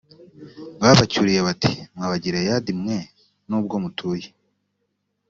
babacyuriye bati mwa bagileyadi mwe nubwo mutuye